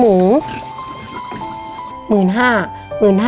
ซื้อหมู